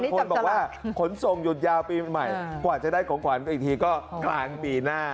คนบอกว่าขนส่งหยุดยาวปีใหม่กว่าจะได้ของขวัญไปอีกทีก็กลางปีหน้า